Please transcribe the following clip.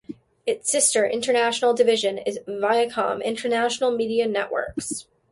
Its sister international division is Viacom International Media Networks.